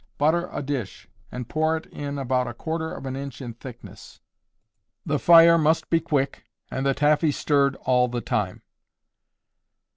Butter a dish, and pour it in about a quarter of an inch in thickness. The fire must be quick, and the taffee stirred all the time.